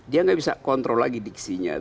dia nggak bisa kontrol lagi diksinya